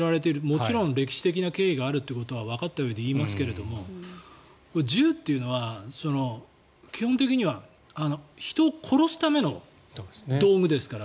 もちろん歴史的な経緯があることはわかったうえで言いますがこれ、銃というのは基本的には人を殺すための道具ですから。